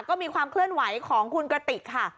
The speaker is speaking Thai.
ก็มีความเคลื่อนไหวของคุณกระติกค่ะ